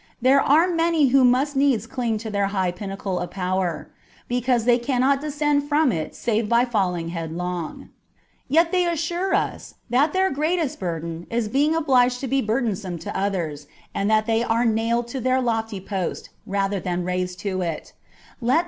There are many who must needs cling to their high pinnacle of power, because they cannot descend from it save by falling headlong : yet they assure us that their greatest burden is being obliged to be burdensome to others, and that they are nailed to their lofty post rather than raised to it : let CH.